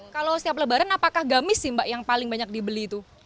kalau setiap lebaran apakah gamis sih mbak yang paling banyak dibeli itu